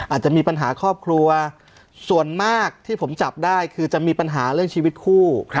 อาจจะมีปัญหาครอบครัวส่วนมากที่ผมจับได้คือจะมีปัญหาเรื่องชีวิตคู่